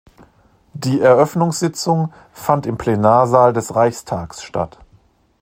Die Eröffnungssitzung fand im Plenarsaal des Reichstags statt.